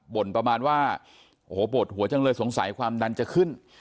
่นประมาณว่าโอ้โหปวดหัวจังเลยสงสัยความดันจะขึ้น